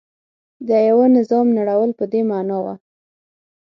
د یوه نظام نړول په دې معنا و.